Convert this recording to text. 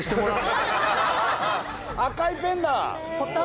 赤いペンだ！